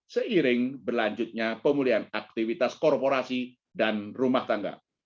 seiring berlanjutnya pemulihan aktivitas korporasi dan rumah tangga